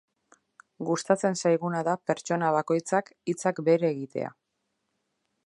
Gustatzen zaiguna da pertsona bakoitzak hitzak berea egitea.